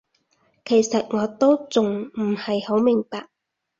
其實我都仲唔係好明白